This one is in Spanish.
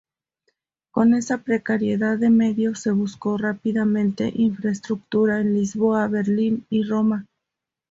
Con esa precariedad de medios se buscó rápidamente infraestructura en Lisboa, Berlín y Roma.